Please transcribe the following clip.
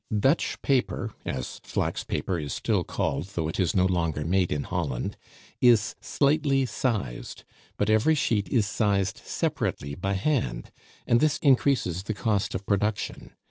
Dutch paper as flax paper is still called, though it is no longer made in Holland, is slightly sized; but every sheet is sized separately by hand, and this increases the cost of production.